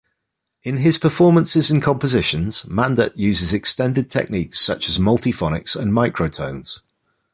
In his performances and compositions, Mandat uses extended techniques such as multiphonics and microtones.